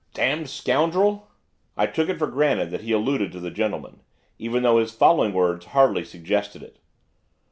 'Damned scoundrel!' I took it for granted that he alluded to the gentleman, even though his following words hardly suggested it.